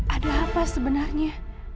ada apa sebenarnya